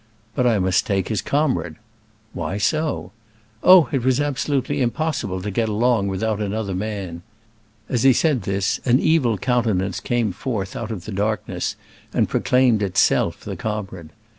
But I must take his comrade. "Why so?" Oh, it was absolutely impossible to get along without another man. As he said this an evil countenance came forth out of the darkness and proclaimed itself the comrade.